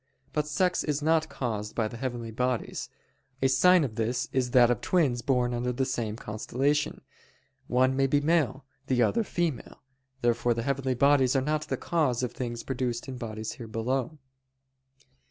But sex is not caused by the heavenly bodies: a sign of this is that of twins born under the same constellation, one may be male, the other female. Therefore the heavenly bodies are not the cause of things produced in bodies here below.